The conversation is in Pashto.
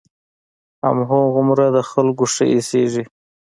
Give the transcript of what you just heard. هماغومره د خلقو ښه اېسېږي.